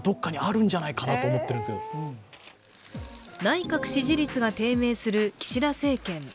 内閣支持率が低迷する岸田政権。